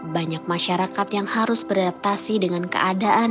banyak masyarakat yang harus beradaptasi dengan keadaan